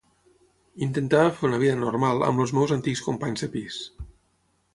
Intentava fer una vida normal amb els meus antics companys de pis.